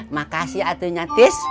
makasih atuhnya tis